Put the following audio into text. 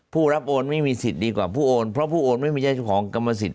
ผู้รับโอนไม่มีสิทธิ์ดีกว่าผู้โอนเพราะผู้โอนไม่ใช่เจ้าของกรรมสิทธิ